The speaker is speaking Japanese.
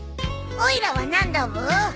おいらは何だブー？